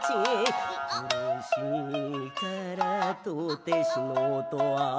「苦しいからとて死のうとは」